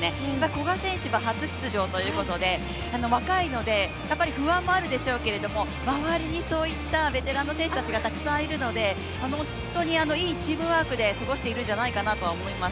古賀選手は初出場ということで、若いので不安もあるでしょうけれども、周りにそういったベテランの選手たちがたくさんいるので、本当にいいチームワークで過ごしてるんじゃないかなと思います。